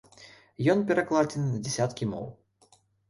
Ён перакладзены на дзясяткі моў.